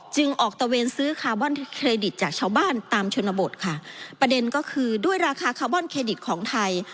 ออกตะเวนซื้อคาร์บอนเครดิตจากชาวบ้านตามชนบทค่ะประเด็นก็คือด้วยราคาคาร์บอนเครดิตของไทย